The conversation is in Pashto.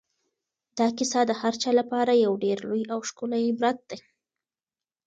دا کیسه د هر چا لپاره یو ډېر لوی او ښکلی عبرت دی.